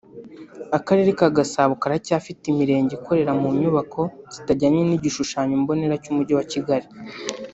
Akarere ka Gasabo karacyafite imirenge ikorera mu nyubako zitajyanye n’igishushanyo mbonera cy’Umujyi wa Kigali